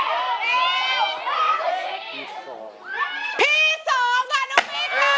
พร้อมกับสุดยอดแพทย์นาราจะได้รับกวนรางวัล๑แสนบาท